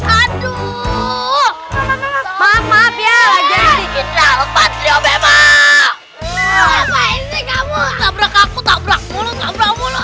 apaan sih kamu tabrak aku tabrak mulu tabrak mulu